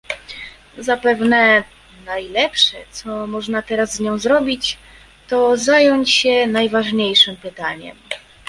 Zapewne najlepsze, co można teraz z nią zrobić, to zająć się najważniejszym pytaniem